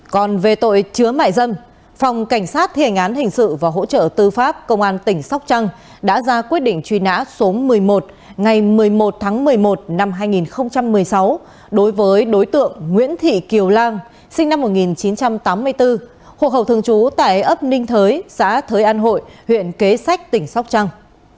còn về tội chứa mại dân phòng cảnh sát thi hành án hình sự và hỗ trợ tư pháp công an tỉnh sóc trăng đã ra quyết định truy nã số một mươi một ngày một mươi một tháng một mươi một năm hai nghìn một mươi sáu đối với đối tượng nguyễn thị kiều lan sinh năm một nghìn chín trăm tám mươi bốn hồ hậu thường chú tại ấp ninh thới xã thới an hội huyện kế sách tỉnh sóc trăng